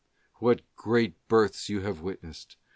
What great births you have witnessed